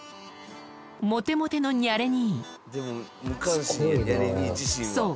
モテモテのニャレ兄そう